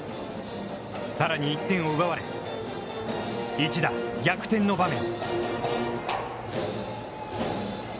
さらに１点を奪われ、一打逆転の場面。